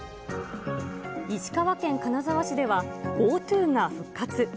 石川県金沢市では、ＧｏＴｏが復活。